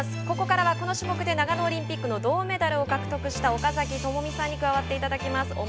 ここからは、この種目で長野オリンピックの銅メダルを獲得した岡崎朋美さんに加わっていただきます。